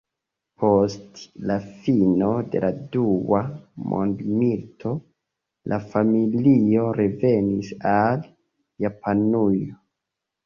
Post la fino de la Dua Mondmilito la familio revenis al Japanujo.